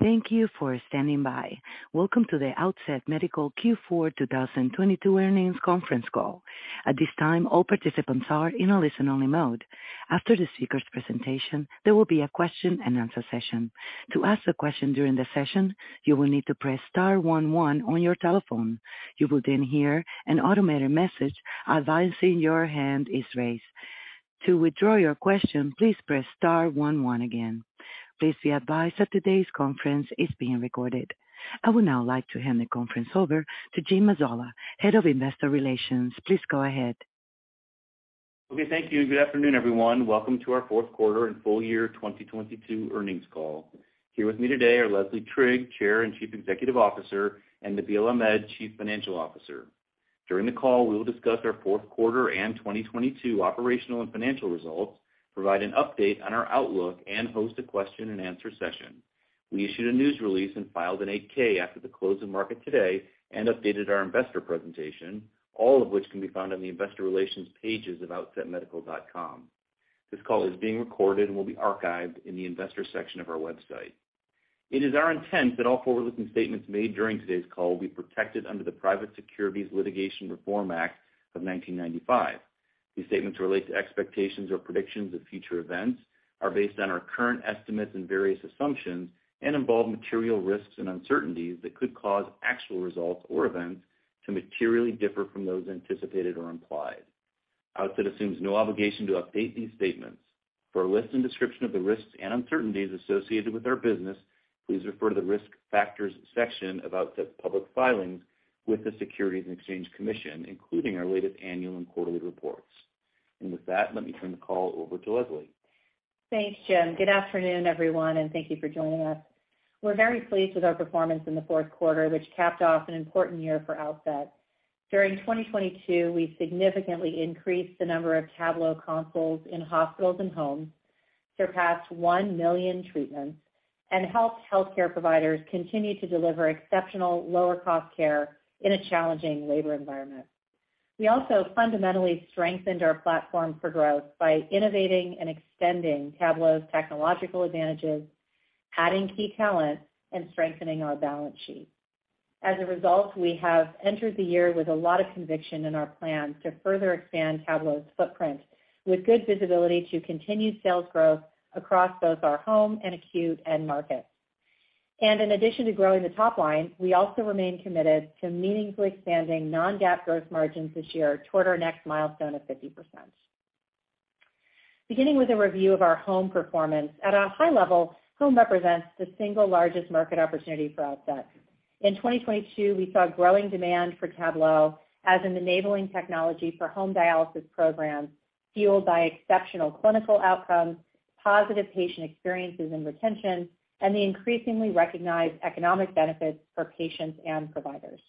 Thank you for standing by. Welcome to the Outset Medical Q4 2022 earnings conference call. At this time, all participants are in a listen-only mode. After the speaker's presentation, there will be a question-and-answer session. To ask a question during the session, you will need to press star 11 on your telephone. You will then hear an automated message advising your hand is raised. To withdraw your question, please press star 11 again. Please be advised that today's conference is being recorded. I would now like to hand the conference over to Jim Mazzola, Head of Investor Relations. Please go ahead. Okay, thank you, and good afternoon, everyone. Welcome to our fourth quarter and full year 2022 earnings call. Here with me today are Leslie Trigg, Chair and Chief Executive Officer, and Nabeel Ahmed, Chief Financial Officer. During the call, we will discuss our fourth quarter and 2022 operational and financial results, provide an update on our outlook and host a question-and-answer session. We issued a news release and filed an 8-K after the close of market today and updated our investor presentation, all of which can be found on the investor relations pages of outsetmedical.com. This call is being recorded and will be archived in the investors section of our website. It is our intent that all forward-looking statements made during today's call will be protected under the Private Securities Litigation Reform Act of 1995. These statements relate to expectations or predictions of future events, are based on our current estimates and various assumptions, and involve material risks and uncertainties that could cause actual results or events to materially differ from those anticipated or implied. Outset assumes no obligation to update these statements. For a list and description of the risks and uncertainties associated with our business, please refer to the Risk Factors section of Outset's public filings with the Securities and Exchange Commission, including our latest annual and quarterly reports. With that, let me turn the call over to Leslie. Thanks, Jim. Good afternoon, everyone, thank you for joining us. We're very pleased with our performance in the fourth quarter, which capped off an important year for Outset. During 2022, we significantly increased the number of Tablo consoles in hospitals and homes, surpassed 1 million treatments and helped healthcare providers continue to deliver exceptional lower cost care in a challenging labor environment. We also fundamentally strengthened our platform for growth by innovating and extending Tablo's technological advantages, adding key talent and strengthening our balance sheet. As a result, we have entered the year with a lot of conviction in our plan to further expand Tablo's footprint with good visibility to continued sales growth across both our home and acute end markets. In addition to growing the top line, we also remain committed to meaningfully expanding non-GAAP gross margins this year toward our next milestone of 50%. Beginning with a review of our home performance. At a high level, home represents the single largest market opportunity for Outset. In 2022, we saw growing demand for Tablo as an enabling technology for home dialysis programs fueled by exceptional clinical outcomes, positive patient experiences and retention, and the increasingly recognized economic benefits for patients and providers.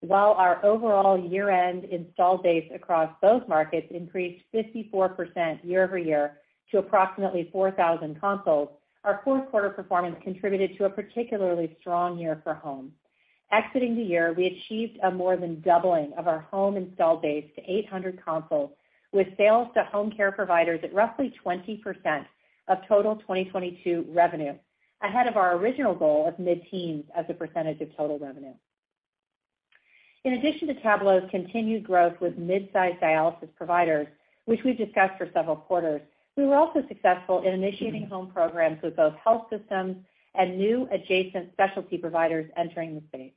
While our overall year-end install base across both markets increased 54% year-over-year to approximately 4,000 consoles, our fourth quarter performance contributed to a particularly strong year for home. Exiting the year, we achieved a more than doubling of our home install base to 800 consoles, with sales to home care providers at roughly 20% of total 2022 revenue, ahead of our original goal of mid-teens as a percentage of total revenue. In addition to Tablo's continued growth with mid-size dialysis providers, which we've discussed for several quarters, we were also successful in initiating home programs with both health systems and new adjacent specialty providers entering the space.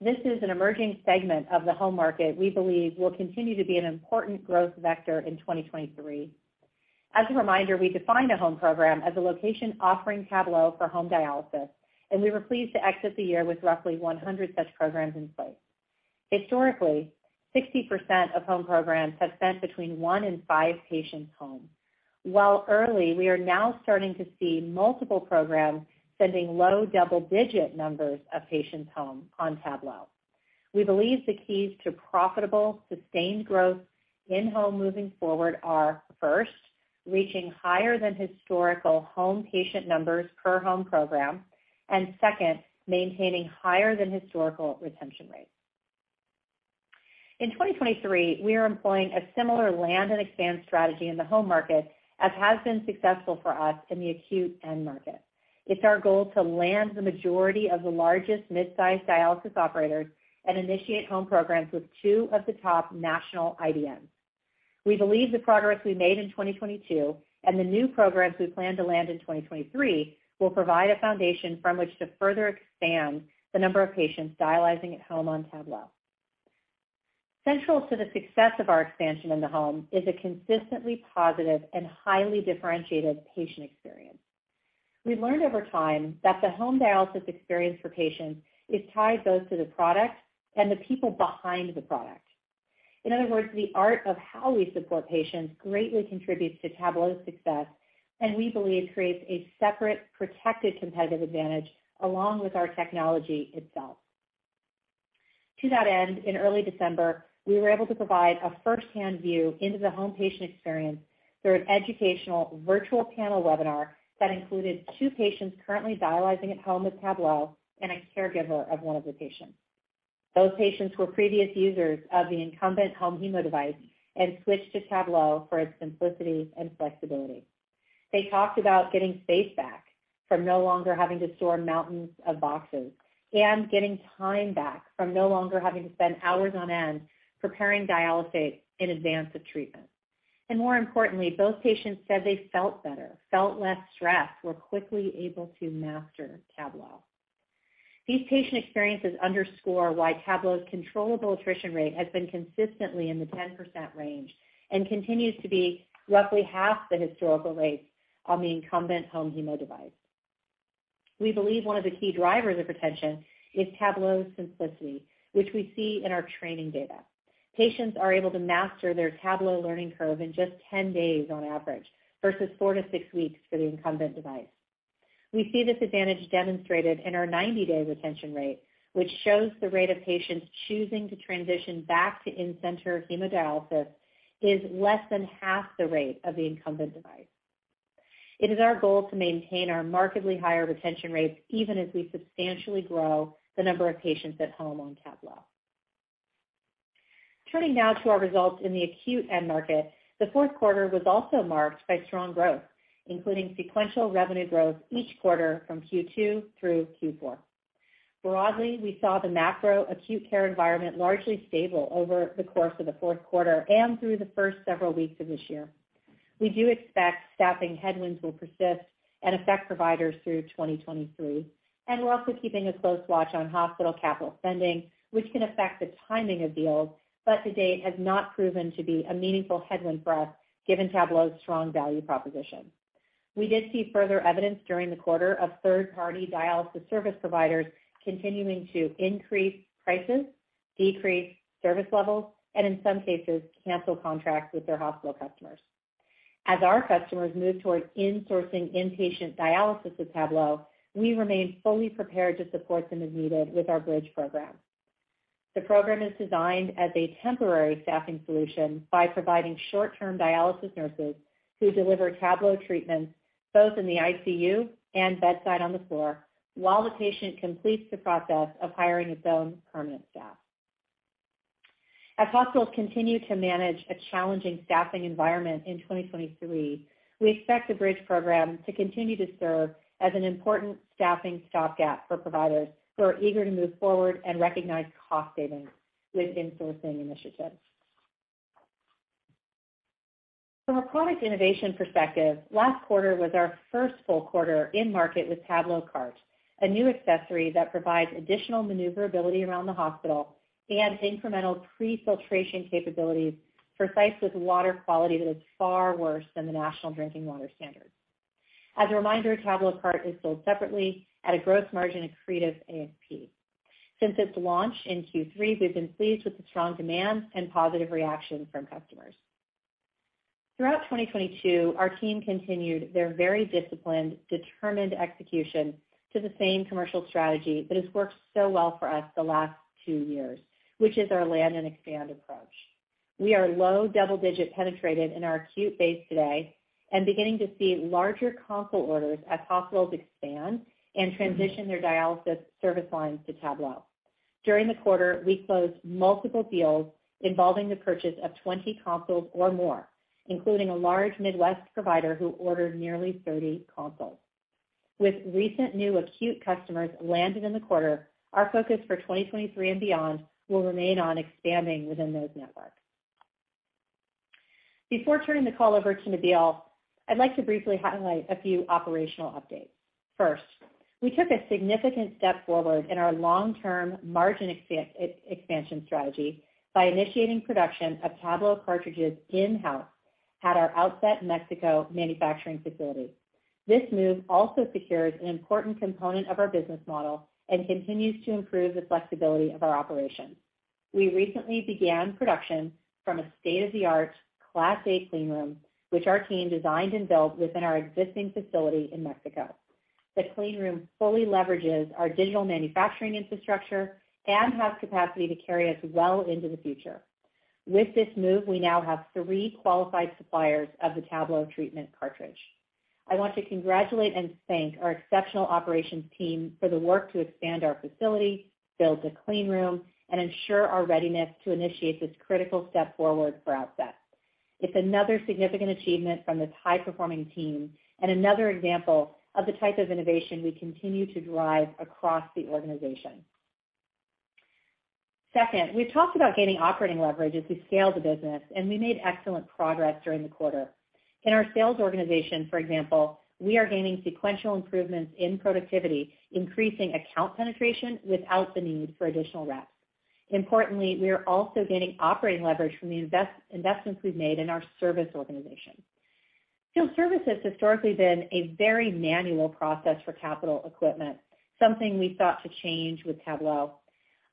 This is an emerging segment of the home market we believe will continue to be an important growth vector in 2023. As a reminder, we define a home program as a location offering Tablo for home dialysis, and we were pleased to exit the year with roughly 100 such programs in place. Historically, 60% of home programs have sent between one and five patients home. While early, we are now starting to see multiple programs sending low double-digit numbers of patients home on Tablo. We believe the keys to profitable, sustained growth in home moving forward are, first, reaching higher than historical home patient numbers per home program and second, maintaining higher than historical retention rates. In 2023, we are employing a similar land and expand strategy in the home market as has been successful for us in the acute end market. It's our goal to land the majority of the largest mid-size dialysis operators and initiate home programs with two of the top national IDNs. We believe the progress we made in 2022 and the new programs we plan to land in 2023 will provide a foundation from which to further expand the number of patients dialyzing at home on Tablo. Central to the success of our expansion in the home is a consistently positive and highly differentiated patient experience. We've learned over time that the home dialysis experience for patients is tied both to the product and the people behind the product. In other words, the art of how we support patients greatly contributes to Tablo's success, and we believe creates a separate, protected competitive advantage along with our technology itself. To that end, in early December, we were able to provide a firsthand view into the home patient experience through an educational virtual panel webinar that included two patients currently dialyzing at home with Tablo and a caregiver of one of the patients. Those patients were previous users of the incumbent home hemo device and switched to Tablo for its simplicity and flexibility. They talked about getting space back from no longer having to store mountains of boxes and getting time back from no longer having to spend hours on end preparing dialysate in advance of treatment. More importantly, those patients said they felt better, felt less stressed, were quickly able to master Tablo. These patient experiences underscore why Tablo's controllable attrition rate has been consistently in the 10% range and continues to be roughly half the historical rates on the incumbent home hemo device. We believe one of the key drivers of retention is Tablo's simplicity, which we see in our training data. Patients are able to master their Tablo learning curve in just 10 days on average versus four to six weeks for the incumbent device. We see this advantage demonstrated in our 90-day retention rate, which shows the rate of patients choosing to transition back to in-center hemodialysis is less than half the rate of the incumbent device. It is our goal to maintain our markedly higher retention rates even as we substantially grow the number of patients at home on Tablo. Turning now to our results in the acute end market. The fourth quarter was also marked by strong growth, including sequential revenue growth each quarter from Q2 through Q4. Broadly, we saw the macro acute care environment largely stable over the course of the fourth quarter and through the first several weeks of this year. We do expect staffing headwinds will persist and affect providers through 2023. We're also keeping a close watch on hospital capital spending, which can affect the timing of deals, but to date has not proven to be a meaningful headwind for us given Tablo's strong value proposition. We did see further evidence during the quarter of third-party dialysis service providers continuing to increase prices, decrease service levels and in some cases, cancel contracts with their hospital customers. As our customers move towards insourcing inpatient dialysis with Tablo, we remain fully prepared to support them as needed with our Bridge Program. The program is designed as a temporary staffing solution by providing short-term dialysis nurses who deliver Tablo treatments both in the ICU and bedside on the floor while the patient completes the process of hiring its own permanent staff. As hospitals continue to manage a challenging staffing environment in 2023, we expect the Bridge Program to continue to serve as an important staffing stopgap for providers who are eager to move forward and recognize cost savings with insourcing initiatives. From a product innovation perspective, last quarter was our first full quarter in market with TabloCart, a new accessory that provides additional maneuverability around the hospital and incremental pre-filtration capabilities for sites with water quality that is far worse than the national drinking water standard. As a reminder, TabloCart is sold separately at a gross margin accretive ASP. Since its launch in Q3, we've been pleased with the strong demand and positive reaction from customers. Throughout 2022, our team continued their very disciplined, determined execution to the same commercial strategy that has worked so well for us the last two years, which is our land and expand approach. We are low double-digit penetrated in our acute base today and beginning to see larger console orders as hospitals expand and transition their dialysis service lines to Tablo. During the quarter, we closed multiple deals involving the purchase of 20 consoles or more, including a large Midwest provider who ordered nearly 30 consoles. With recent new acute customers landed in the quarter, our focus for 2023 and beyond will remain on expanding within those networks. Before turning the call over to Nabeel, I'd like to briefly highlight a few operational updates. First, we took a significant step forward in our long-term margin expansion strategy by initiating production of Tablo cartridges in-house at our Outset Mexico manufacturing facility. This move also secures an important component of our business model and continues to improve the flexibility of our operations. We recently began production from a state-of-the-art Class A cleanroom, which our team designed and built within our existing facility in Mexico. The cleanroom fully leverages our digital manufacturing infrastructure and has capacity to carry us well into the future. With this move, we now have three qualified suppliers of the Tablo treatment cartridge. I want to congratulate and thank our exceptional operations team for the work to expand our facility, build the cleanroom, and ensure our readiness to initiate this critical step forward for Outset. It's another significant achievement from this high-performing team and another example of the type of innovation we continue to drive across the organization. We've talked about gaining operating leverage as we scale the business, and we made excellent progress during the quarter. In our sales organization, for example, we are gaining sequential improvements in productivity, increasing account penetration without the need for additional reps. Importantly, we are also gaining operating leverage from the investments we've made in our service organization. Field service has historically been a very manual process for capital equipment, something we sought to change with Tablo.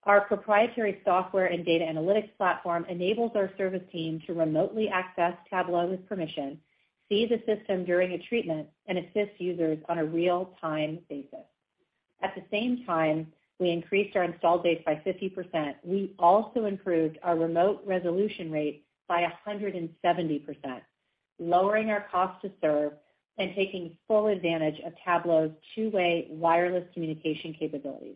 Our proprietary software and data analytics platform enables our service team to remotely access Tablo with permission, see the system during a treatment, and assist users on a real-time basis. At the same time, we increased our install base by 50%. We also improved our remote resolution rate by 170%. Lowering our cost to serve and taking full advantage of Tablo's two-way wireless communication capabilities.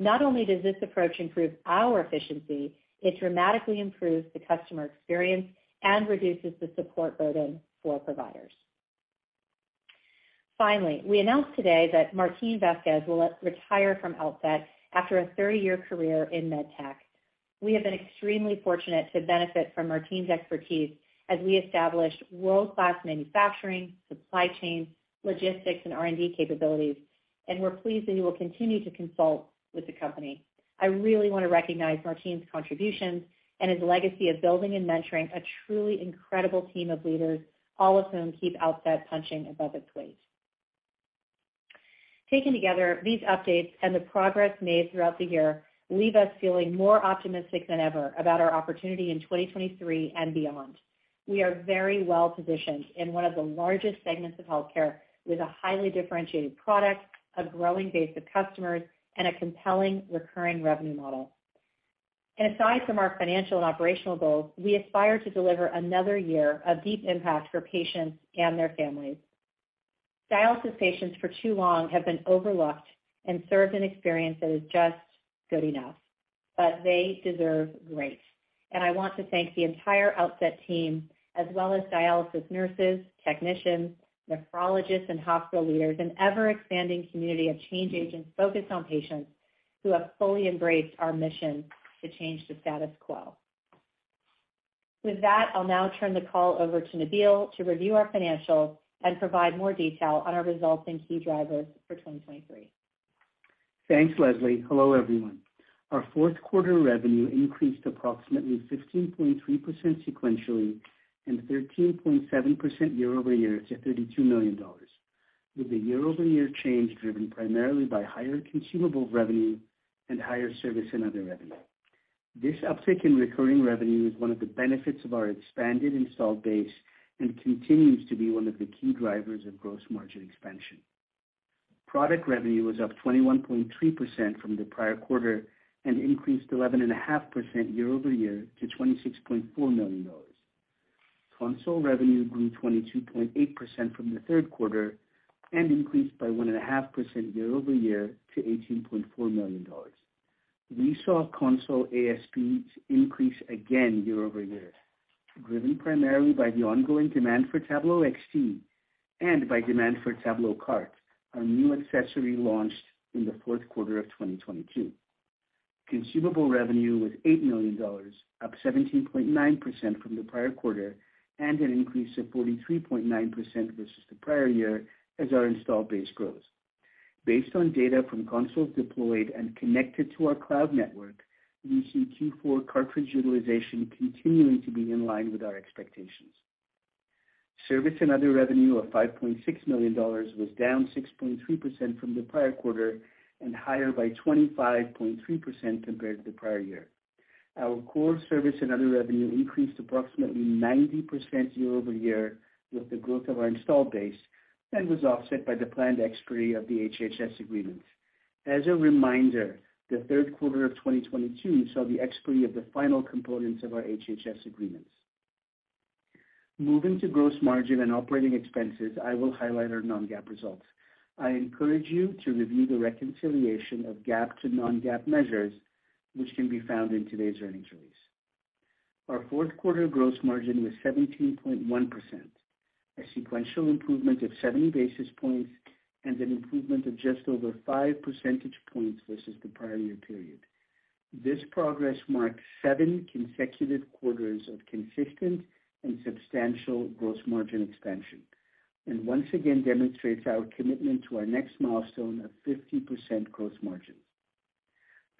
Not only does this approach improve our efficiency, it dramatically improves the customer experience and reduces the support burden for providers. Finally, we announced today that Martin Vazquez will re-retire from Outset after a 30-year career in med tech. We have been extremely fortunate to benefit from Martin's expertise as we established world-class manufacturing, supply chain, logistics, and R&D capabilities, and we're pleased that he will continue to consult with the company. I really wanna recognize Martin's contributions and his legacy of building and mentoring a truly incredible team of leaders, all of whom keep Outset punching above its weight. Taken together, these updates and the progress made throughout the year leave us feeling more optimistic than ever about our opportunity in 2023 and beyond. We are very well-positioned in one of the largest segments of healthcare with a highly differentiated product, a growing base of customers, and a compelling recurring revenue model. Aside from our financial and operational goals, we aspire to deliver another year of deep impact for patients and their families. Dialysis patients for too long have been overlooked and served an experience that is just good enough. They deserve great. I want to thank the entire Outset team as well as dialysis nurses, technicians, nephrologists, and hospital leaders, an ever-expanding community of change agents focused on patients who have fully embraced our mission to change the status quo. With that, I'll now turn the call over to Nabeel to review our financials and provide more detail on our results and key drivers for 2023. Thanks, Leslie. Hello, everyone. Our fourth quarter revenue increased approximately 15.3% sequentially and 13.7% year-over-year to $32 million, with the year-over-year change driven primarily by higher consumable revenue and higher service and other revenue. This uptick in recurring revenue is one of the benefits of our expanded installed base and continues to be one of the key drivers of gross margin expansion. Product revenue was up 21.3% from the prior quarter and increased 11.5% year-over-year to $26.4 million. Console revenue grew 22.8% from the third quarter and increased by 1.5% year-over-year to $18.4 million. We saw console ASPs increase again year-over-year, driven primarily by the ongoing demand for Tablo XT and by demand for TabloCart, our new accessory launched in the fourth quarter of 2022. Consumable revenue was $8 million, up 17.9% from the prior quarter and an increase of 43.9% versus the prior year as our installed base grows. Based on data from consoles deployed and connected to our cloud network, we see Q4 cartridge utilization continuing to be in line with our expectations. Service and other revenue of $5.6 million was down 6.3% from the prior quarter and higher by 25.3% compared to the prior year. Our core service and other revenue increased approximately 90% year-over-year with the growth of our installed base and was offset by the planned expiry of the HHS agreement. As a reminder, the third quarter of 2022 saw the expiry of the final components of our HHS agreements. Moving to gross margin and operating expenses, I will highlight our non-GAAP results. I encourage you to review the reconciliation of GAAP to non-GAAP measures which can be found in today's earnings release. Our fourth quarter gross margin was 17.1%, a sequential improvement of 70 basis points and an improvement of just over 5 percentage points versus the prior year period. This progress marks seven consecutive quarters of consistent and substantial gross margin expansion and once again demonstrates our commitment to our next milestone of 50% gross margins.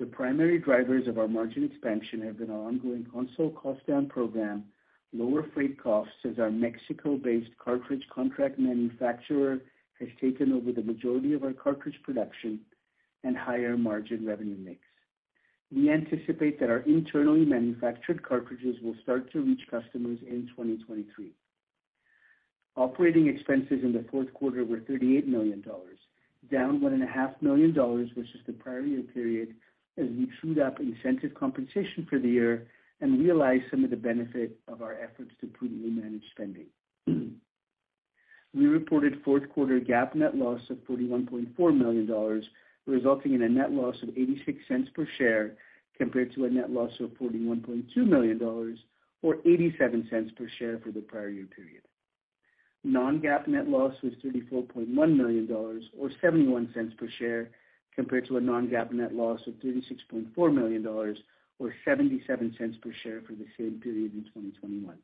The primary drivers of our margin expansion have been our ongoing console cost down program, lower freight costs as our Mexico-based cartridge contract manufacturer has taken over the majority of our cartridge production and higher margin revenue mix. We anticipate that our internally manufactured cartridges will start to reach customers in 2023. Operating expenses in the fourth quarter were $38 million, down $1.5 million versus the prior year period as we trued up incentive compensation for the year and realized some of the benefit of our efforts to prudently manage spending. We reported fourth quarter GAAP net loss of $41.4 million, resulting in a net loss of $0.86 per share, compared to a net loss of $41.2 million or $0.87 per share for the prior year period. Non-GAAP net loss was $34.1 million or $0.71 per share, compared to a non-GAAP net loss of $36.4 million or $0.77 per share for the same period in 2021.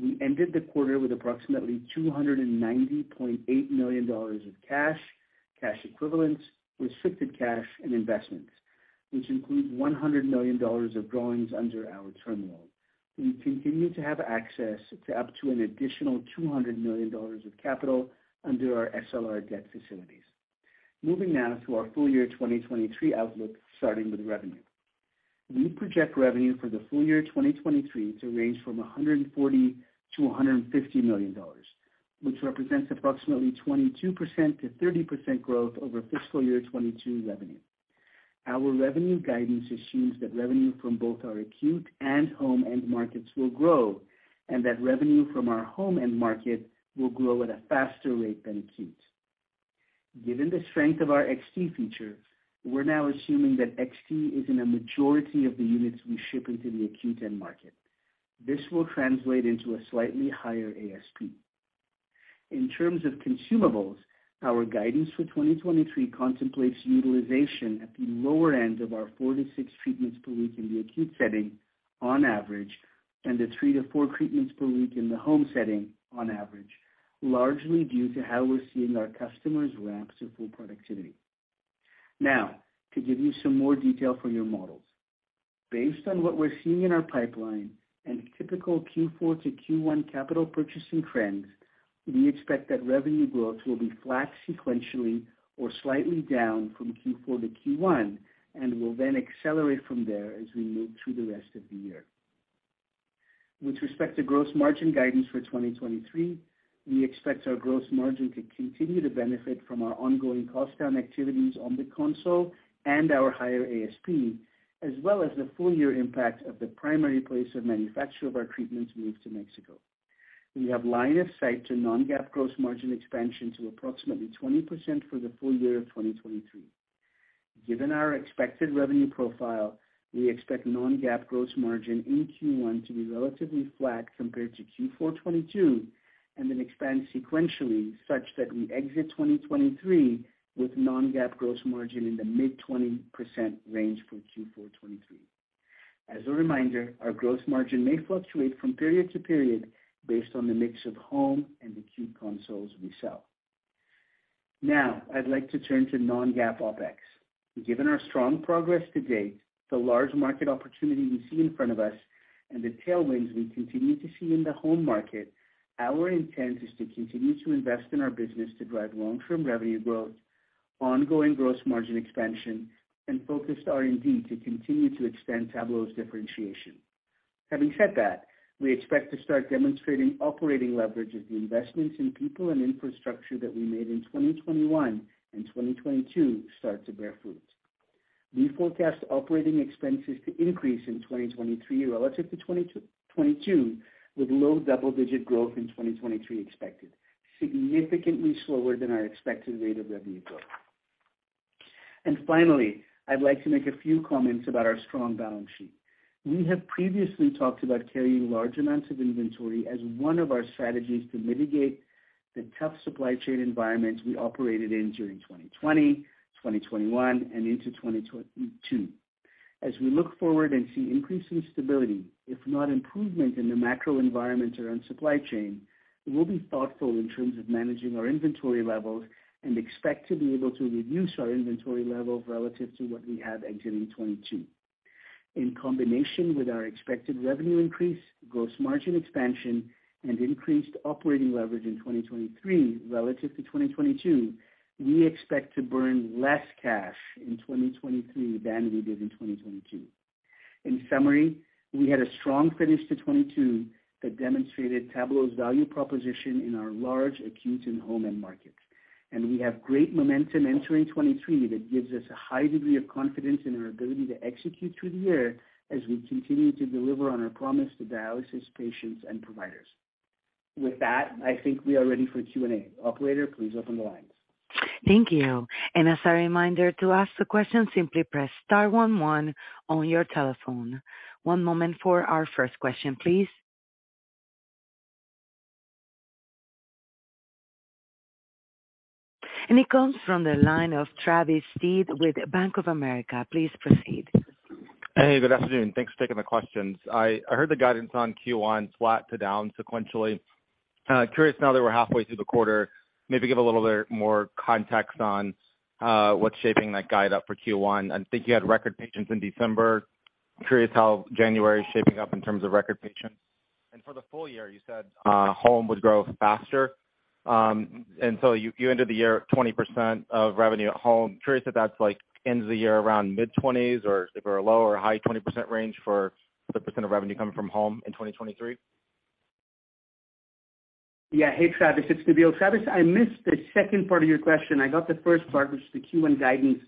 We ended the quarter with approximately $290.8 million of cash equivalents, restricted cash, and investments, which include $100 million of drawings under our term loan. We continue to have access to up to an additional $200 million of capital under our SLR debt facilities. Moving now to our full year 2023 outlook, starting with revenue. We project revenue for the full year 2023 to range from $140 million-$150 million, which represents approximately 22%-30% growth over fiscal year 2022 revenue. Our revenue guidance assumes that revenue from both our acute and home end markets will grow, and that revenue from our home end market will grow at a faster rate than acute. Given the strength of our XT feature, we're now assuming that XT is in a majority of the units we ship into the acute end market. This will translate into a slightly higher ASP. In terms of consumables, our guidance for 2023 contemplates utilization at the lower end of our four to six treatments per week in the acute setting on average, and the three to four treatments per week in the home setting on average, largely due to how we're seeing our customers ramp to full productivity. To give you some more detail for your models. Based on what we're seeing in our pipeline and typical Q4 to Q1 capital purchasing trends, we expect that revenue growth will be flat sequentially or slightly down from Q4 to Q1, and will then accelerate from there as we move through the rest of the year. With respect to gross margin guidance for 2023, we expect our gross margin to continue to benefit from our ongoing cost down activities on the console and our higher ASP, as well as the full year impact of the primary place of manufacture of our treatments move to Mexico. We have line of sight to non-GAAP gross margin expansion to approximately 20% for the full year of 2023. Given our expected revenue profile, we expect non-GAAP gross margin in Q1 to be relatively flat compared to Q4 2022, and then expand sequentially such that we exit 2023 with non-GAAP gross margin in the mid-20% range for Q4 2023. As a reminder, our gross margin may fluctuate from period to period based on the mix of home and acute consoles we sell. I'd like to turn to non-GAAP OpEx. Given our strong progress to date, the large market opportunity we see in front of us, and the tailwinds we continue to see in the home market, our intent is to continue to invest in our business to drive long-term revenue growth, ongoing gross margin expansion, and focused R&D to continue to extend Tablo's differentiation. Having said that, we expect to start demonstrating operating leverage as the investments in people and infrastructure that we made in 2021 and 2022 start to bear fruit. We forecast operating expenses to increase in 2023 relative to 2022, with low double-digit growth in 2023 expected, significantly slower than our expected rate of revenue growth. Finally, I'd like to make a few comments about our strong balance sheet. We have previously talked about carrying large amounts of inventory as one of our strategies to mitigate the tough supply chain environment we operated in during 2020, 2021, and into 2022. As we look forward and see increasing stability, if not improvement in the macro environment around supply chain, we'll be thoughtful in terms of managing our inventory levels and expect to be able to reduce our inventory levels relative to what we had exiting 2022. In combination with our expected revenue increase, gross margin expansion, and increased operating leverage in 2023 relative to 2022, we expect to burn less cash in 2023 than we did in 2022. In summary, we had a strong finish to 2022 that demonstrated Tablo's value proposition in our large acute and home end markets, and we have great momentum entering 2023 that gives us a high degree of confidence in our ability to execute through the year as we continue to deliver on our promise to dialysis patients and providers. With that, I think we are ready for Q&A. Operator, please open the lines. Thank you. As a reminder, to ask the question, simply press star one one on your telephone. One moment for our first question, please. It comes from the line of Travis Steed with Bank of America. Please proceed. Hey, good afternoon. Thanks for taking the questions. I heard the guidance on Q1 flat to down sequentially. Curious now that we're halfway through the quarter, maybe give a little bit more context on what's shaping that guide up for Q1? I think you had record patients in December. Curious how January is shaping up in terms of record patients? For the full year, you said, home would grow faster. And so you ended the year at 20% of revenue at home. Curious if that's like ends of the year around mid-20s or if we're a low or high 20% range for the percent of revenue coming from home in 2023? Hey, Travis, it's Nabeel. Travis, I missed the second part of your question. I got the first part, which is the Q1 guidance,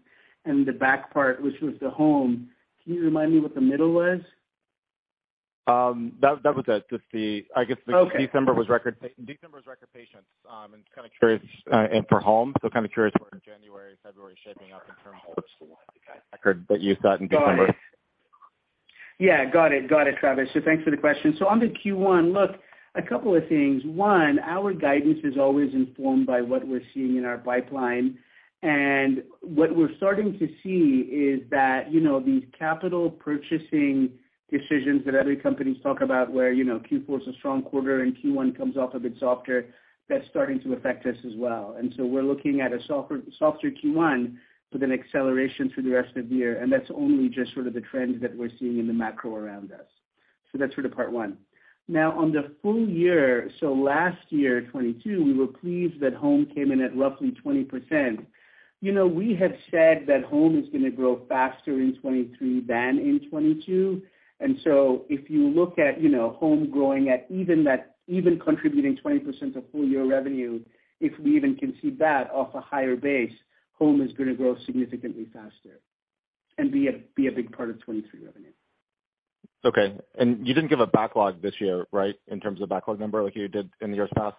and the back part, which was the home. Can you remind me what the middle was? That was it. Just the. Okay. December was record patients. Kind of curious, and for home, kind of curious where January, February is shaping up in terms of the kind of record that you saw in December? Yeah. Got it. Got it, Travis. Thanks for the question. On the Q1, look, a couple of things. One, our guidance is always informed by what we're seeing in our pipeline. What we're starting to see is that, you know, these capital purchasing decisions that other companies talk about where, you know, Q4 is a strong quarter and Q1 comes off a bit softer, that's starting to affect us as well. We're looking at a softer Q1 with an acceleration through the rest of the year. That's only just sort of the trends that we're seeing in the macro around us. That's sort of part one. On the full year, last year, 2022, we were pleased that home came in at roughly 20%. You know, we have said that home is gonna grow faster in 2023 than in 2022. If you look at, you know, home growing at even that, even contributing 20% of full year revenue, if we even can see that off a higher base, home is gonna grow significantly faster and be a big part of 2023 revenue. Okay. You didn't give a backlog this year, right? In terms of backlog number like you did in the years past.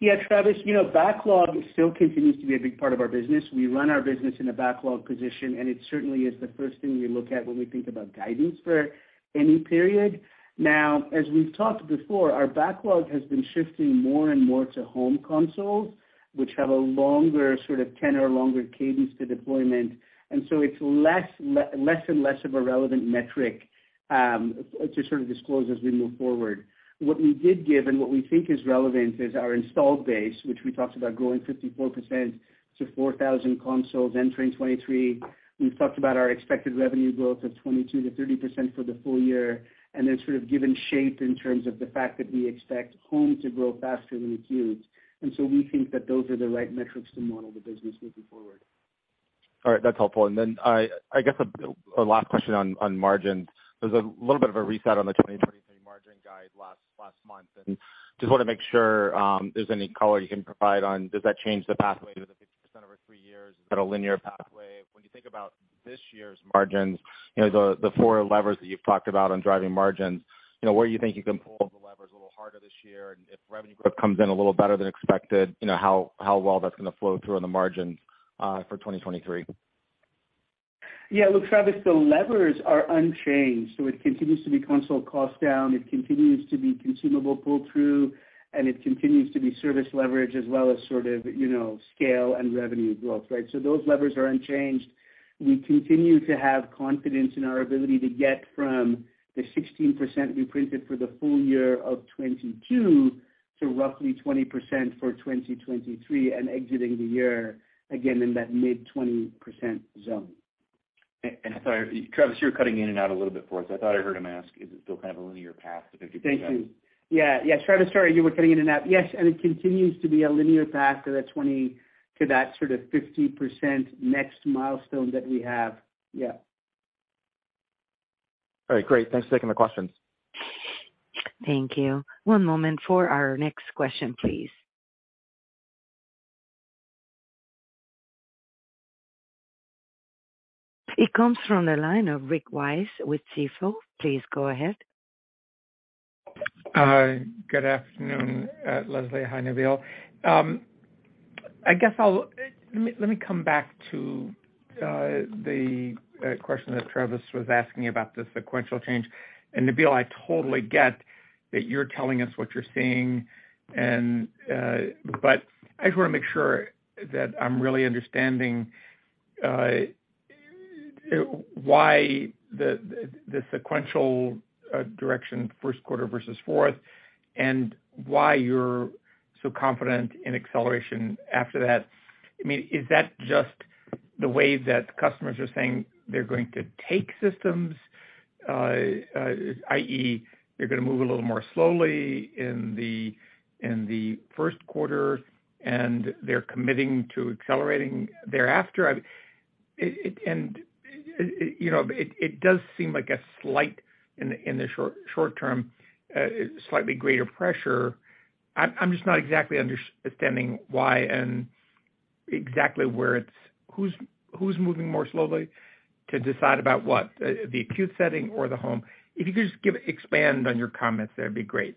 Yeah, Travis, you know, backlog still continues to be a big part of our business. We run our business in a backlog position. It certainly is the first thing we look at when we think about guidance for any period. As we've talked before, our backlog has been shifting more and more to home consoles, which have a longer sort of 10 or longer cadence to deployment, it's less and less of a relevant metric to sort of disclose as we move forward. What we did give and what we think is relevant is our installed base, which we talked about growing 54% to 4,000 consoles entering 2023. We've talked about our expected revenue growth of 22%-30% for the full year, sort of given shape in terms of the fact that we expect home to grow faster than acute. We think that those are the right metrics to model the business moving forward. All right, that's helpful. Then I guess a last question on margins. There's a little bit of a reset on the 2023 margin guide last month, and just wanna make sure if there's any color you can provide on does that change the pathway to the 50% over three years? Is that a linear pathway? When you think about this year's margins, you know, the four levers that you've talked about on driving margins, you know, where do you think you can pull the levers a little harder this year? If revenue growth comes in a little better than expected, you know, how well that's gonna flow through on the margins for 2023. Yeah. Look, Travis, the levers are unchanged. It continues to be console cost down. It continues to be consumable pull through, and it continues to be service leverage as well as sort of, you know, scale and revenue growth, right? Those levers are unchanged. We continue to have confidence in our ability to get from the 16% we printed for the full year of 2022 to roughly 20% for 2023 and exiting the year again in that mid-20% zone. Sorry, Travis, you're cutting in and out a little bit for us. I thought I heard him ask, is it still kind of a linear path to 50%? Thank you. Yeah. Travis, sorry, you were cutting in and out. Yes, it continues to be a linear path to that sort of 50% next milestone that we have. Yeah. All right. Great. Thanks for taking the questions. Thank you. One moment for our next question, please. It comes from the line of Rick Wise with Stifel. Please go ahead. Good afternoon, Leslie. Hi, Nabeel. Let me come back to the question that Travis was asking about the sequential change. Nabeel, I totally get that you're telling us what you're seeing, but I just wanna make sure that I'm really understanding why the sequential direction first quarter versus fourth and why you're so confident in acceleration after that. I mean, is that just the way that customers are saying they're going to take systems, i.e., they're gonna move a little more slowly in the first quarter, and they're committing to accelerating thereafter? It does seem like a slight in the short term, slightly greater pressure. I'm just not exactly understanding why and exactly where it's... Who's moving more slowly to decide about what, the acute setting or the home? If you could just expand on your comments, that'd be great.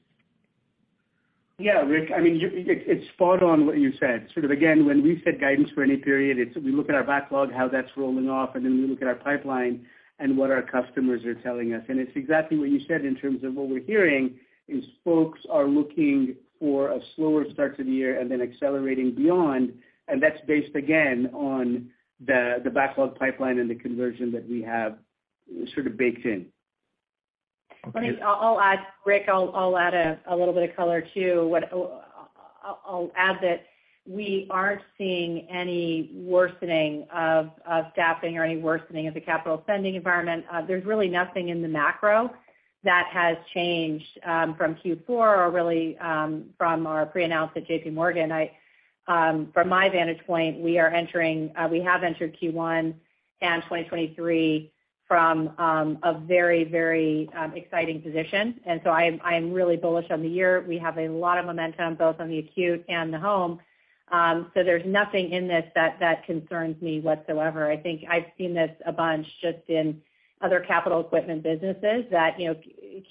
Yeah. Rick, I mean, it's spot on what you said. Sort of again, when we set guidance for any period, it's we look at our backlog, how that's rolling off, and then we look at our pipeline and what our customers are telling us. It's exactly what you said in terms of what we're hearing is folks are looking for a slower start to the year and then accelerating beyond. That's based, again, on the backlog pipeline and the conversion that we have sort of baked in. Okay. I'll add, Rick, I'll add a little bit of color too. I'll add that we aren't seeing any worsening of staffing or any worsening of the capital spending environment. There's really nothing in the macro that has changed from Q4 or really from our pre-announce at JPMorgan. From my vantage point, we have entered Q1 and 2023 from a very exciting position. I'm really bullish on the year. We have a lot of momentum both on the acute and the home. There's nothing in this that concerns me whatsoever. I think I've seen this a bunch just in other capital equipment businesses that, you know,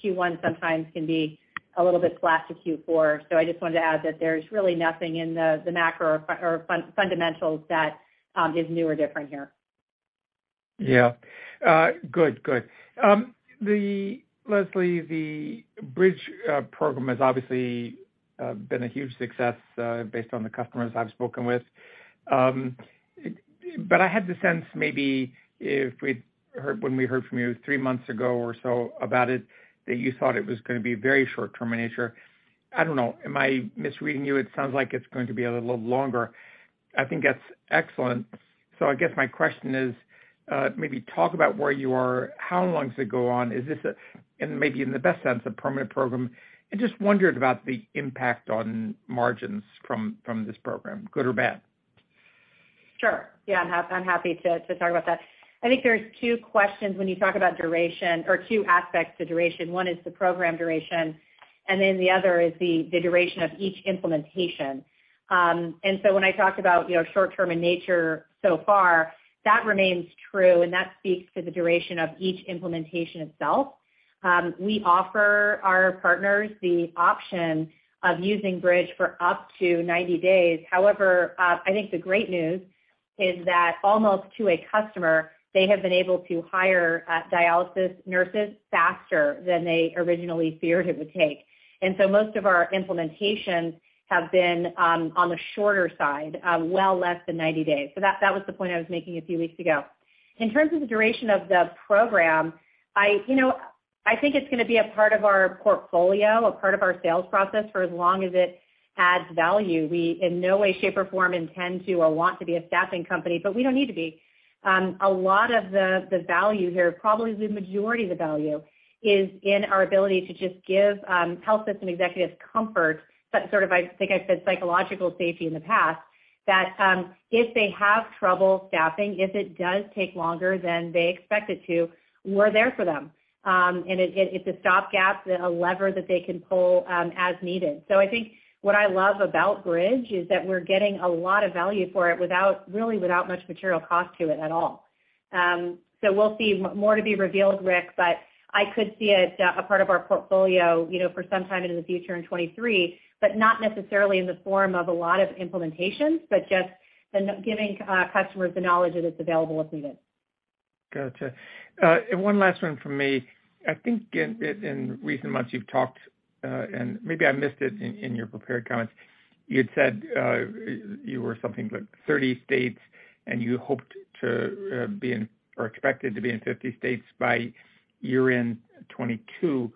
Q1 sometimes can be a little bit flat to Q4. I just wanted to add that there's really nothing in the macro or fundamentals that is new or different here. Yeah. Good, good. Leslie, the Bridge Program has obviously been a huge success based on the customers I've spoken with. I had the sense maybe when we heard from you three months ago or so about it, that you thought it was gonna be very short-term in nature. I don't know. Am I misreading you? It sounds like it's going to be a little longer. I think that's excellent. I guess my question is, maybe talk about where you are, how long does it go on? Is this a, and maybe in the best sense, a permanent program? Just wondered about the impact on margins from this program, good or bad? Sure, yeah. I'm happy to talk about that. I think there's two questions when you talk about duration or two aspects to duration. One is the program duration. The other is the duration of each implementation. When I talked about, you know, short-term in nature so far, that remains true, and that speaks to the duration of each implementation itself. We offer our partners the option of using Bridge for up to 90 days. However, I think the great news is that almost to a customer, they have been able to hire dialysis nurses faster than they originally feared it would take. Most of our implementations have been on the shorter side, well less than 90 days. That was the point I was making a few weeks ago. In terms of the duration of the program, I, you know, I think it's gonna be a part of our portfolio, a part of our sales process for as long as it adds value. We, in no way, shape, or form intend to or want to be a staffing company, but we don't need to be. A lot of the value here, probably the majority of the value is in our ability to just give, health system executives comfort, sort of, I think I said psychological safety in the past, that, if they have trouble staffing, if it does take longer than they expect it to, we're there for them. It's, it's a stopgap, a lever that they can pull, as needed. I think what I love about Bridge is that we're getting a lot of value for it without, really without much material cost to it at all. We'll see more to be revealed, Rick, but I could see it, a part of our portfolio, you know, for some time into the future in 2023, but not necessarily in the form of a lot of implementations, but just the giving, customers the knowledge that it's available if needed. Got you. One last one from me. I think in recent months you've talked, and maybe I missed it in your prepared comments. You had said, you were something like 30 states, and you hoped to be in or expected to be in 50 states by year-end 2022.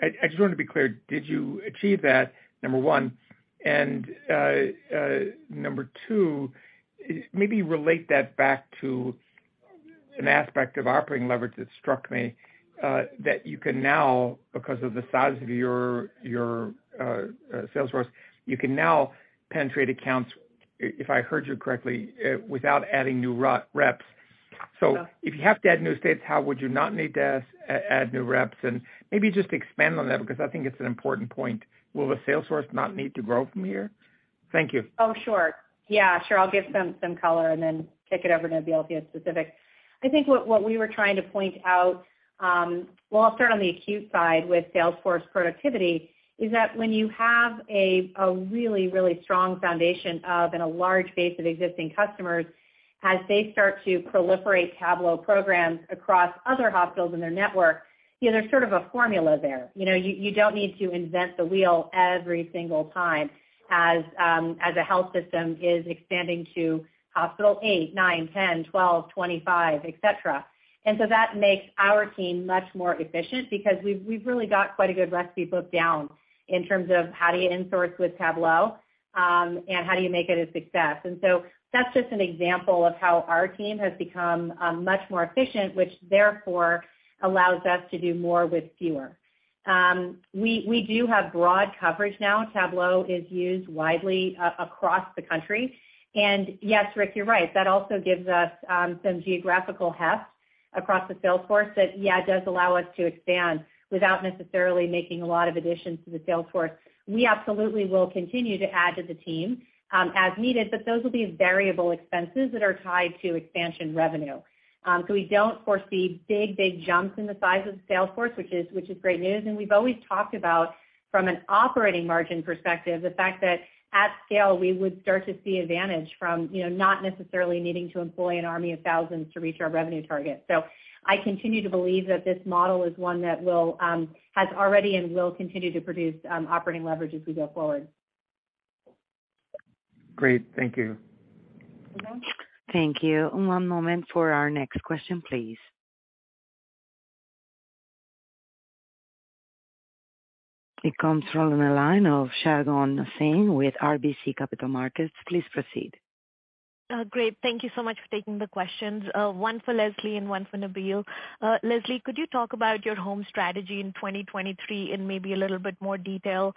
I just want to be clear, did you achieve that, number one? Number two, maybe relate that back to an aspect of operating leverage that struck me, that you can now, because of the size of your sales force, you can now penetrate accounts, if I heard you correctly, without adding new reps. If you have to add new states, how would you not need to add new reps? Maybe just expand on that because I think it's an important point. Will the sales force not need to grow from here? Thank you. Oh, sure. Yeah, sure. I'll give some color, kick it over Nabeel to get specifics. I think what we were trying to point out, well, I'll start on the acute side with sales force productivity, is that when you have a really, really strong foundation of and a large base of existing customers, as they start to proliferate Tablo programs across other hospitals in their network, you know, there's sort of a formula there. You know, you don't need to invent the wheel every single time as a health system is expanding to hospital eight, nine, 10, 12, 25, et cetera. That makes our team much more efficient because we've really got quite a good recipe booked down in terms of how do you in-source with Tablo, and how do you make it a success. That's just an example of how our team has become much more efficient, which therefore allows us to do more with fewer. We do have broad coverage now. Tablo is used widely across the country. Yes, Rick, you're right. That also gives us some geographical heft across the sales force that does allow us to expand without necessarily making a lot of additions to the sales force. We absolutely will continue to add to the team as needed, but those will be variable expenses that are tied to expansion revenue. We don't foresee big jumps in the size of the sales force, which is great news. We've always talked about from an operating margin perspective, the fact that at scale, we would start to see advantage from, you know, not necessarily needing to employ an army of thousands to reach our revenue target. I continue to believe that this model is one that will, has already and will continue to produce operating leverage as we go forward. Great. Thank you. Mm-hmm. Thank you. One moment for our next question, please. It comes from the line of Shagun Singh with RBC Capital Markets. Please proceed. Great. Thank you so much for taking the questions. One for Leslie and one for Nabeel. Leslie, could you talk about your home strategy in 2023 in maybe a little bit more detail?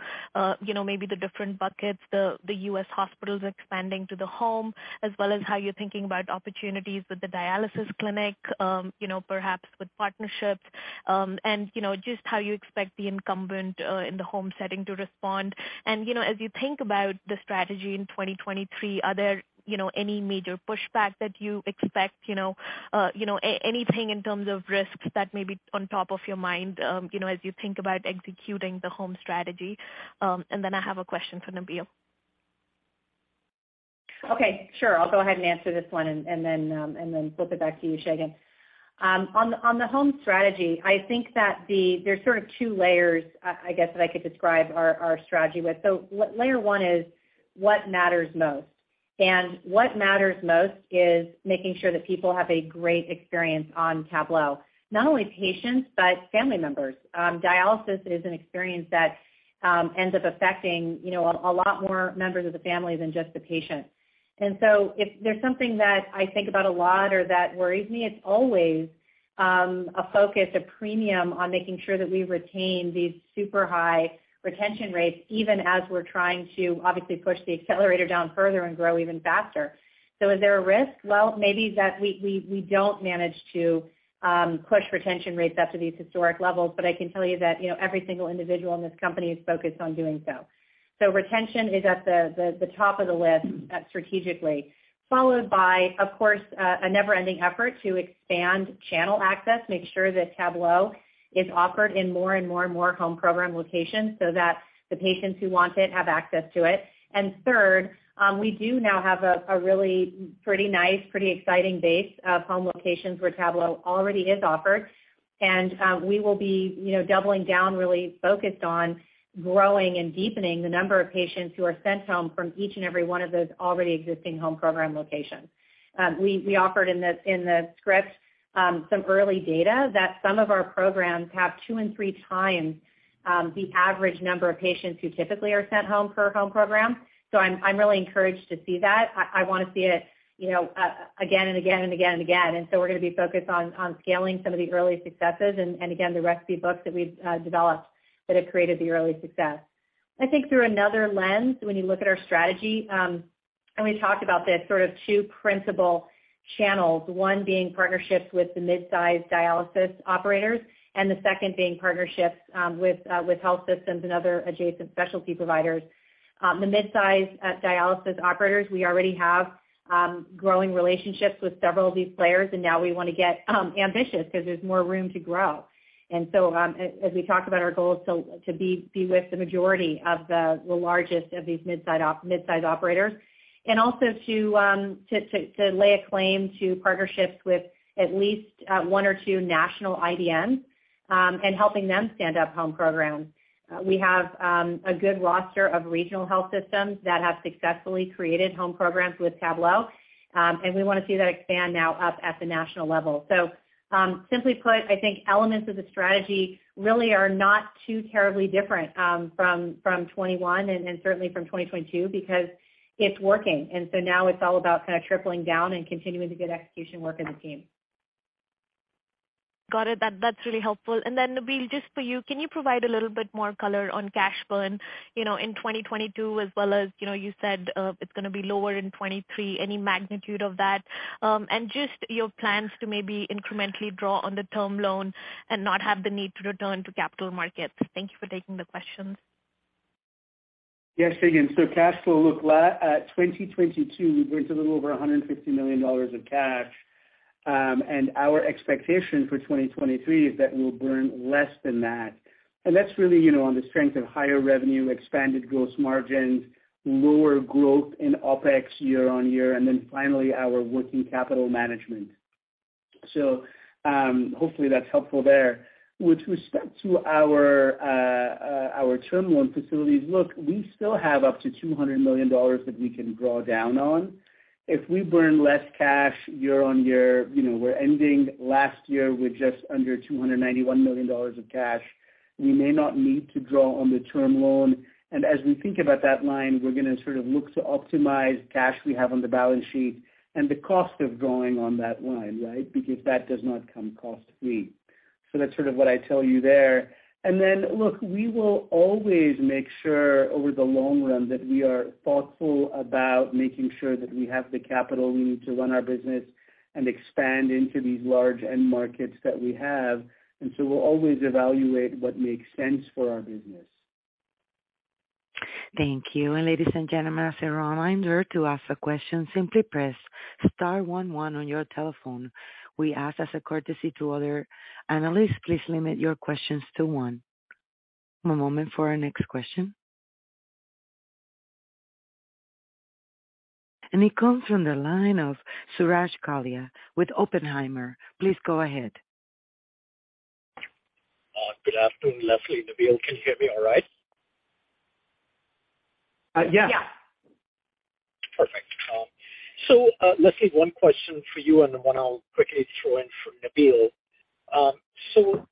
You know, maybe the different buckets, the U.S. hospitals expanding to the home, as well as how you're thinking about opportunities with the dialysis clinic, you know, perhaps with partnerships, and, you know, just how you expect the incumbent in the home setting to respond. You know, as you think about the strategy in 2023, are there, you know, any major pushback that you expect, you know, anything in terms of risks that may be on top of your mind, you know, as you think about executing the home strategy? I have a question for Nabeel. Okay, sure. I'll go ahead and answer this one and then flip it back to you, Shagun. On the home strategy, I think that there's sort of two layers, I guess, that I could describe our strategy with. So layer one is what matters most. What matters most is making sure that people have a great experience on Tablo, not only patients, but family members. Dialysis is an experience that ends up affecting, you know, a lot more members of the family than just the patient. If there's something that I think about a lot or that worries me, it's always a focus, a premium on making sure that we retain these super high retention rates, even as we're trying to obviously push the accelerator down further and grow even faster. Is there a risk? Well, maybe that we don't manage to push retention rates up to these historic levels, but I can tell you that, you know, every single individual in this company is focused on doing so. Retention is at the top of the list strategically, followed by, of course, a never-ending effort to expand channel access, make sure that Tablo is offered in more and more and more home program locations so that the patients who want it have access to it. Third, we do now have a really pretty nice, pretty exciting base of home locations where Tablo already is offered. We will be, you know, doubling down, really focused on growing and deepening the number of patients who are sent home from each and every one of those already existing home program locations. We offered in the script, some early data that some of our programs have two and three times the average number of patients who typically are sent home per home program. I'm really encouraged to see that. I wanna see it, you know, again and again and again and again. We're gonna be focused on scaling some of the early successes and again, the recipe books that we've developed that have created the early success. I think through another lens, when you look at our strategy, and we talked about this, sort of two principle channels, one being partnerships with the mid-size dialysis operators, and the second being partnerships with health systems and other adjacent specialty providers. The mid-size dialysis operators, we already have growing relationships with several of these players, and now we wanna get ambitious because there's more room to grow. As we talk about our goals to be with the majority of the largest of these mid-size operators, and also to lay a claim to partnerships with at least one or two national IDNs, and helping them stand up home programs. We have a good roster of regional health systems that have successfully created home programs with Tablo. We wanna see that expand now up at the national level. Simply put, I think elements of the strategy really are not too terribly different from 2021 and then certainly from 2022 because it's working. Now it's all about kind of tripling down and continuing the good execution work as a team. Got it. That's really helpful. Then Nabeel, just for you, can you provide a little bit more color on cash burn, you know, in 2022 as well as, you know, you said, it's gonna be lower in 2023, any magnitude of that? Just your plans to maybe incrementally draw on the term loan and not have the need to return to capital markets. Thank you for taking the questions. Yes, Hagen. Cash flow, 2022, we burned a little over $150 million of cash. Our expectation for 2023 is that we'll burn less than that. That's really, you know, on the strength of higher revenue, expanded gross margins, lower growth in OpEx year-on-year, finally, our working capital management. Hopefully that's helpful there. With respect to our term loan facilities, we still have up to $200 million that we can draw down on. If we burn less cash year-on-year, you know, we're ending last year with just under $291 million of cash, we may not need to draw on the term loan. As we think about that line, we're gonna sort of look to optimize cash we have on the balance sheet and the cost of drawing on that line, right? Because that does not come cost-free. That's sort of what I tell you there. Look, we will always make sure over the long run that we are thoughtful about making sure that we have the capital we need to run our business and expand into these large end markets that we have. We'll always evaluate what makes sense for our business. Thank you. Ladies and gentlemen, as a reminder, to ask a question, simply press star one one on your telephone. We ask as a courtesy to other analysts, please limit your questions to one. One moment for our next question. It comes from the line of Suraj Kalia with Oppenheimer. Please go ahead. Good afternoon, Leslie and Nabeel. Can you hear me all right? Yeah. Yeah. Perfect. Leslie, one question for you and one I'll quickly throw in for Nabeel.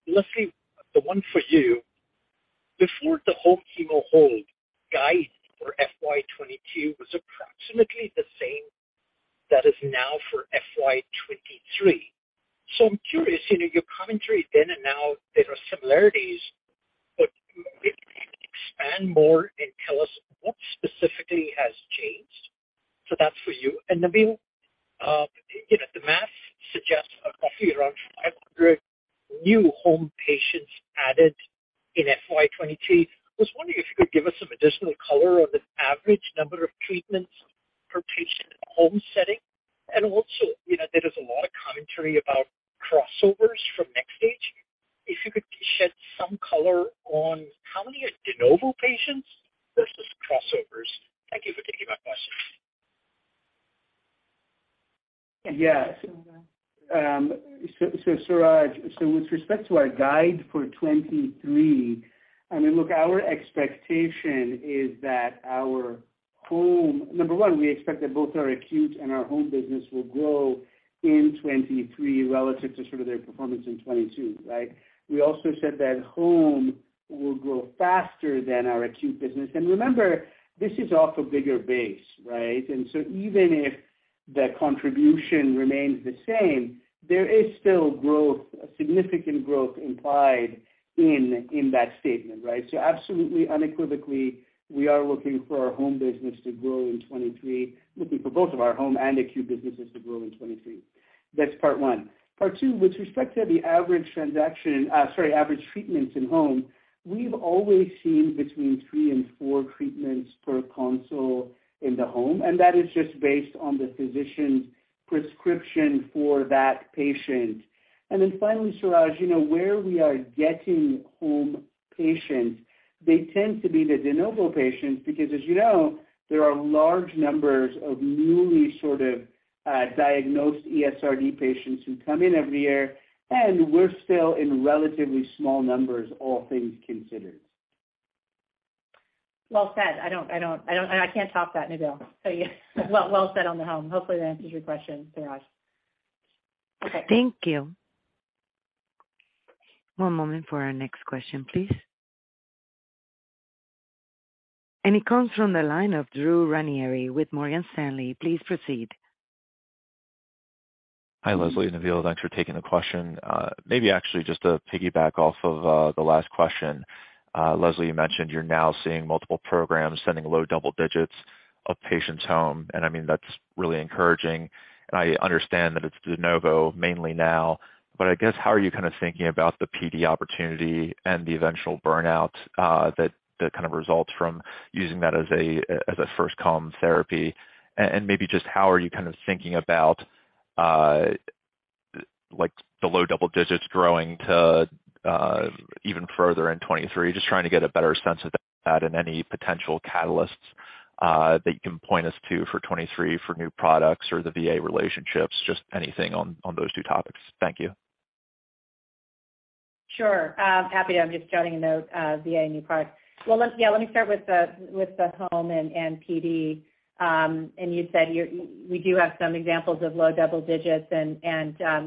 Leslie, the one for you. Before the home hemo hold, guide for FY 2022 was approximately the same that is now for FY 2023. I'm curious, you know, your commentary then and now, there are similarities, but maybe expand more and tell us what specifically has changed. That's for you. Nabeel, you know, the math suggests roughly around 500 new home patients added in FY 2022. I was wondering if you could give us some additional color on the average number of treatments per patient in a home setting. Also, you know, there is a lot of commentary about crossovers from NxStage. If you could shed some color on how many are de novo patients versus crossovers. Thank you for taking my questions. Yeah. so Suraj, so with respect to our guide for 2023, I mean, look, our expectation is that number one, we expect that both our acute and our home business will grow in 2023 relative to sort of their performance in 2022, right? We also said that home will grow faster than our acute business. Remember, this is off a bigger base, right? Even if the contribution remains the same, there is still growth, a significant growth implied in that statement, right? Absolutely unequivocally, we are looking for our home business to grow in 2023, looking for both of our home and acute businesses to grow in 2023. That's part one. Part two, with respect to the average transaction, sorry, average treatments in-home, we've always seen between three and four treatments per consult in the home, and that is just based on the physician's prescription for that patient. Finally, Suraj, you know, where we are getting home patients, they tend to be the de novo patients because as you know, there are large numbers of newly sort of, diagnosed ESRD patients who come in every year, and we're still in relatively small numbers all things considered. Well said. I don't, I can't top that, Nabeel. Yeah. Well said on the home. Hopefully that answers your question, Suraj. Thank you. One moment for our next question, please. It comes from the line of Drew Ranieri with Morgan Stanley. Please proceed. Hi, Leslie and Nabeel. Thanks for taking the question. Maybe actually just to piggyback off of the last question. Leslie, you mentioned you're now seeing multiple programs sending low double digits of patients home, and I mean, that's really encouraging. I understand that it's de novo mainly now. I guess, how are you kind of thinking about the PD opportunity and the eventual burnout that kind of results from using that as a first-line therapy. Maybe just how are you kind of thinking about like the low double digits growing to even further in 2023? Just trying to get a better sense of that and any potential catalysts that you can point us to for 23 for new products or the VA relationships, just anything on those two topics. Thank you. Sure. happy to. I'm just jotting a note, VA new products. Well, let me start with the, with the home and PD. You said we do have some examples of low double digits and,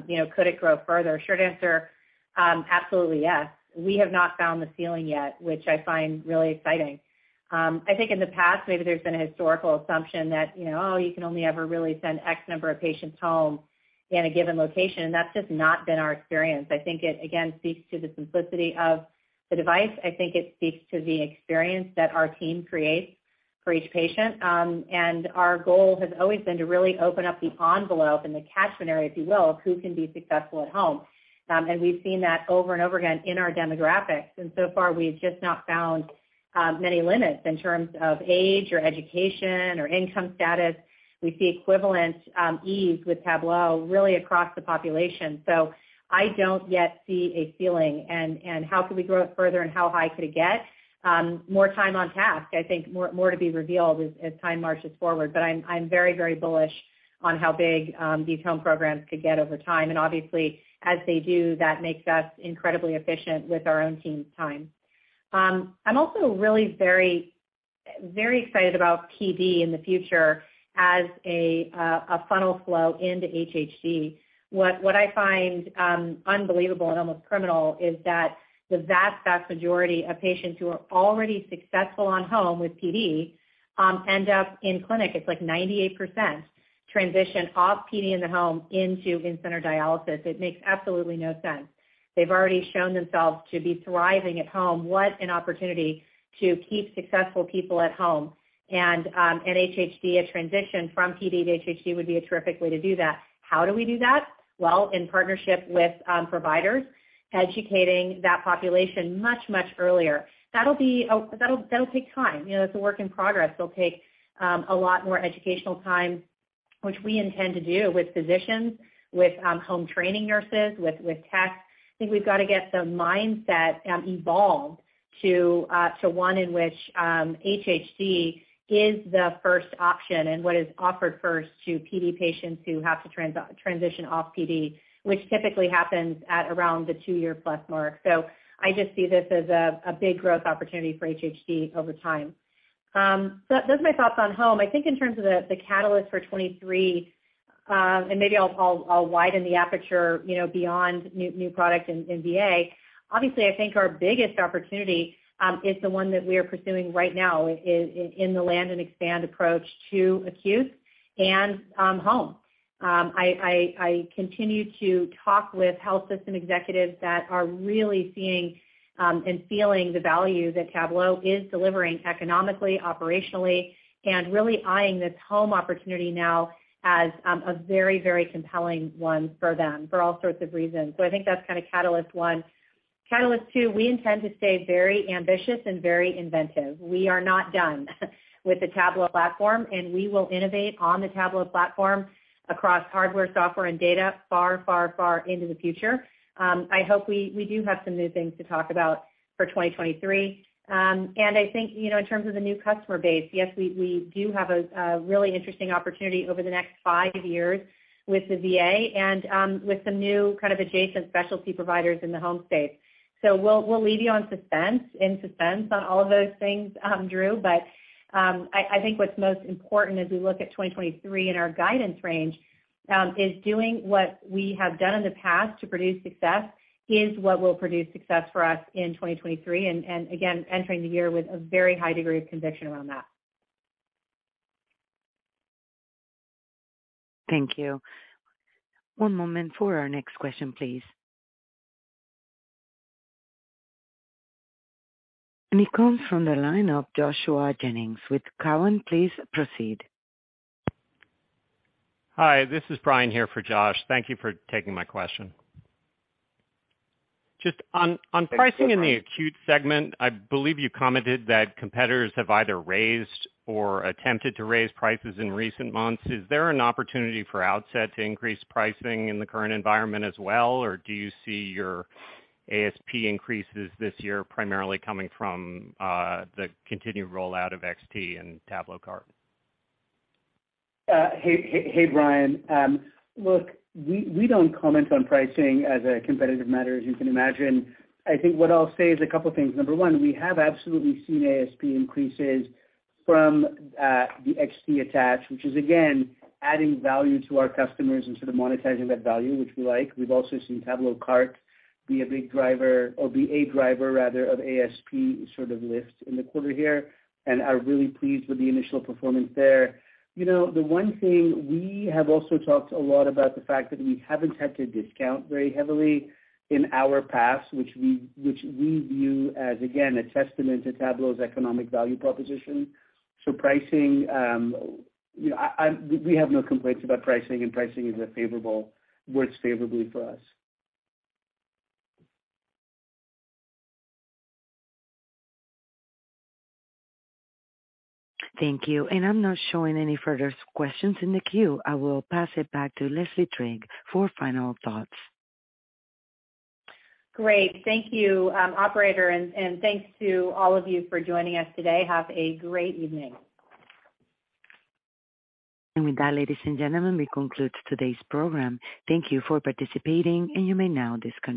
you know, could it grow further? Short answer, absolutely, yes. We have not found the ceiling yet, which I find really exciting. I think in the past, maybe there's been a historical assumption that, you know, oh, you can only ever really send X number of patients home in a given location, that's just not been our experience. I think it, again, speaks to the simplicity of the device. I think it speaks to the experience that our team creates for each patient. Our goal has always been to really open up the envelope and the catchment area, if you will, of who can be successful at home. We've seen that over and over again in our demographics. Far, we've just not found many limits in terms of age or education or income status. We see equivalent ease with Tablo really across the population. I don't yet see a ceiling and how could we grow it further and how high could it get? More time on task. I think more to be revealed as time marches forward. I'm very bullish on how big these home programs could get over time. Obviously, as they do, that makes us incredibly efficient with our own team's time. I'm also really very, very excited about PD in the future as a funnel flow into HHD. What I find unbelievable and almost criminal is that the vast majority of patients who are already successful on home with PD end up in clinic. It's like 98% transition off PD in the home into in-center dialysis. It makes absolutely no sense. They've already shown themselves to be thriving at home. What an opportunity to keep successful people at home. At HHD, a transition from PD to HHD would be a terrific way to do that. How do we do that? Well, in partnership with providers, educating that population much, much earlier. That'll take time. You know, it's a work in progress. It'll take a lot more educational time, which we intend to do with physicians, with home training nurses, with tech. I think we've got to get the mindset evolved to one in which HHD is the first option and what is offered first to PD patients who have to transition off PD, which typically happens at around the two-year plus mark. I just see this as a big growth opportunity for HHD over time. Those are my thoughts on home. I think in terms of the catalyst for 23, and maybe I'll widen the aperture, you know, beyond new product in VA. Obviously, I think our biggest opportunity is the one that we are pursuing right now in the land and expand approach to acute and home. I continue to talk with health system executives that are really seeing and feeling the value that Tablo is delivering economically, operationally, and really eyeing this home opportunity now as a very, very compelling one for them for all sorts of reasons. I think that's kind of catalyst one. Catalyst two, we intend to stay very ambitious and very inventive. We are not done with the Tablo platform, and we will innovate on the Tablo platform across hardware, software, and data far, far, far into the future. I hope we do have some new things to talk about for 2023. I think, you know, in terms of the new customer base, yes, we do have a really interesting opportunity over the next five years with the VA and with some new kind of adjacent specialty providers in the home space. We'll leave you in suspense on all of those things, Drew, I think what's most important as we look at 2023 in our guidance range is doing what we have done in the past to produce success is what will produce success for us in 2023. Again, entering the year with a very high degree of conviction around that. Thank you. One moment for our next question, please. It comes from the line of Joshua Jennings with Cowen. Please proceed. Hi, this is Brian here for Josh. Thank you for taking my question. Just on pricing in the acute segment, I believe you commented that competitors have either raised or attempted to raise prices in recent months. Is there an opportunity for Outset to increase pricing in the current environment as well? Do you see your ASP increases this year primarily coming from the continued rollout of XT and TabloCart? Hey, hey Brian. Look, we don't comment on pricing as a competitive matter, as you can imagine. I think what I'll say is a couple things. Number one, we have absolutely seen ASP increases from the XT attach, which is again adding value to our customers and sort of monetizing that value, which we like. We've also seen TabloCart be a big driver or be a driver rather of ASP sort of lift in the quarter here and are really pleased with the initial performance there. You know, the one thing we have also talked a lot about the fact that we haven't had to discount very heavily in our paths, which we, which we view as again, a testament to Tablo's economic value proposition. Pricing, you know, we have no complaints about pricing. Pricing works favorably for us. Thank you. I'm not showing any further questions in the queue. I will pass it back to Leslie Trigg for final thoughts. Great. Thank you, operator, and thanks to all of you for joining us today. Have a great evening. With that, ladies and gentlemen, we conclude today's program. Thank you for participating, and you may now disconnect.